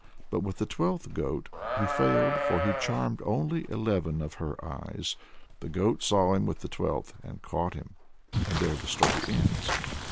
But with the twelfth goat he failed, for he charmed only eleven of her eyes. The goat saw him with the twelfth and caught him," and there the story ends.